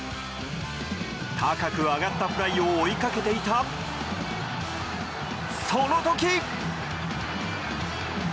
高く上がったフライを追いかけていた、その時。